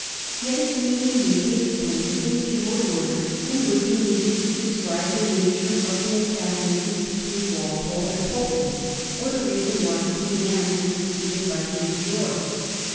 Yet its meaning may be explained in fewer words than would be needed to describe the nature of the antagonism between Walpole and Pulteney, or the reason why Queen Anne was succeeded by King Greorge.